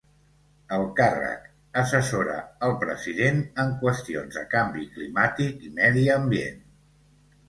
El càrrec: assessora el president en qüestions de canvi climàtic i medi ambient.